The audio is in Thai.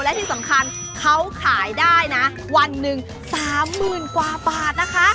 และที่สำคัญเขาขายได้นะวันหนึ่ง๓๐๐๐กว่าบาทนะคะ